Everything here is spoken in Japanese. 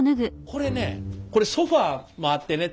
これねこれソファーもあってね